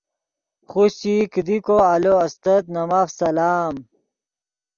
خوشچئی کیدی دی کو آلو استت نے ماف سلام۔